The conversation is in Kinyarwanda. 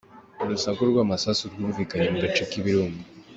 Urusaku rw’amasasu rwumvikanye mu gace k’ibirunga